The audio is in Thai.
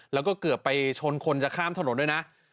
แล้วก็เกือบไปชนคนจะข้ามถนนด้วยนะ